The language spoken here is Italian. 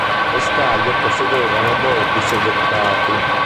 Le scaglie possedevano bordi seghettati.